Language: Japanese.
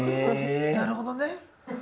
なるほどね。